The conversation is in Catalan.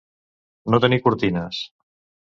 No tenir cortines.